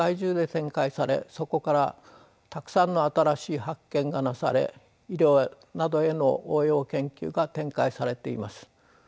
そこからたくさんの新しい発見がなされ医療などへの応用研究が展開されています。